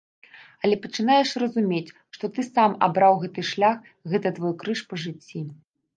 Але пачынаеш разумець, што ты сам абраў гэты шлях, гэта твой крыж па жыцці.